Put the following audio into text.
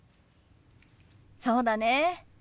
そうだね。